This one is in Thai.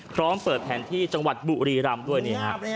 พร้อมเปิดแผนที่จังหวัดบุรีรำด้วยนี่ฮะ